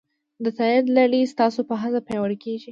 د تایید لړۍ ستاسو په هڅه پیاوړې کېږي.